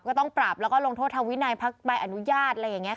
ก็ต้องปรับแล้วก็ลงโทษทางวินัยพักใบอนุญาตอะไรอย่างนี้ค่ะ